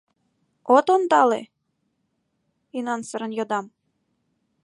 — «От ондале?» — инансырын йодам.